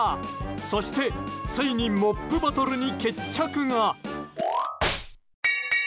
そして、ついにモップバトルに決着が！